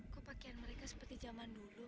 kok pakaian mereka seperti zaman dulu